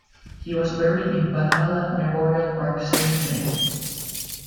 He was buried in Valhalla Memorial Park Cemetery.